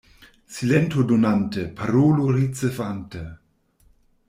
Silentu donante, parolu ricevante.